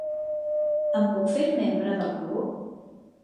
Em puc fer membre del club?